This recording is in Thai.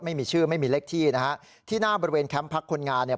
ไม่มีชื่อไม่มีเลขที่นะฮะที่หน้าบริเวณแคมป์พักคนงานเนี่ย